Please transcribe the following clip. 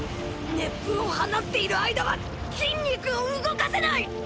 熱風を放っている間は筋肉を動かせない！！